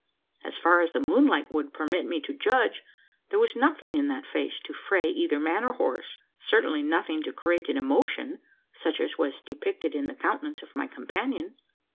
As far as the moonlight would permit me to judge, there was nothing in that face to fray either man or horse: certainly nothing to create an emotion, such as was depicted in the countenance of my companion.